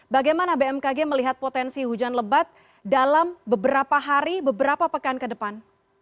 bagaimana bmkg melihat potensi hujan lebat dalam beberapa hari beberapa pekan ke depan